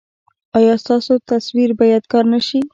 ایا ستاسو تصویر به یادګار نه شي؟